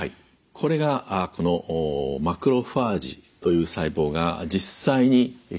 これがこのマクロファージという細胞が実際に結核菌。